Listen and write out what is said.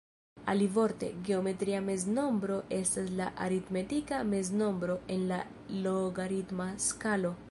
Alivorte, geometria meznombro estas la aritmetika meznombro en la logaritma skalo.